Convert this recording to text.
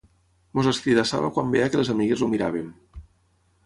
Ens escridassava quan veia que les amigues el miràvem.